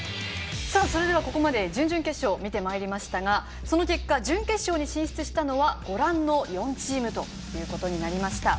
ここまで準々決勝を見てまいりましたがその結果、準決勝に進出したのはご覧の４チームとなりました。